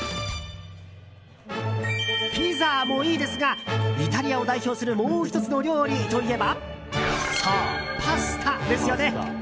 ピザもいいですがイタリアを代表するもう１つの料理といえばそう、パスタですよね。